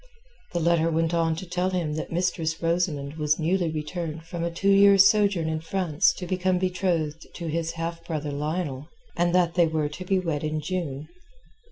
The letter went on to tell him that Mistress Rosamund was newly returned from a two years' sojourn in France to become betrothed to his half brother Lionel, and that they were to be wed in June.